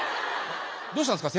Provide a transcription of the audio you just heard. どうしたんですか？